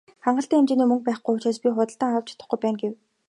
"Хангалттай хэмжээний мөнгө байхгүй учраас би худалдаж авч чадахгүй байна" гэв.